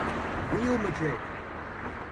Real Madrid